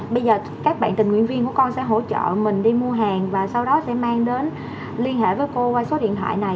bây giờ các bạn tình nguyện viên của con sẽ hỗ trợ mình đi mua hàng và sau đó sẽ mang đến liên hệ với cô qua số điện thoại này